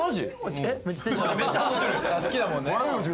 好きだもんね